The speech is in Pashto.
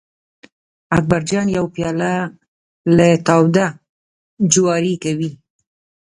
اکبر جان یو پیاله له تاوده جواري کوي.